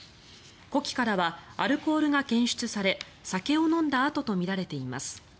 呼気からはアルコールが検出され酒を飲んだあととみられています。